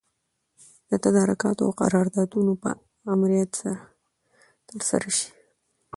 د تدارکاتو او قراردادونو په امریت کي ترسره سي.